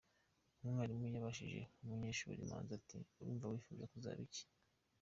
Umwarimu yabajije umunyeshuri Manzi ati "urumva wifuza kuzaba iki?.